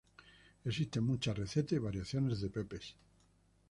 Existen muchas recetas y variaciones de pepes.